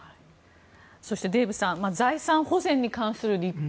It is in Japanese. そして、デーブさん財産保全に関する立法。